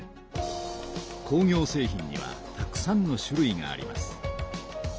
工業製品にはたくさんの種類があります。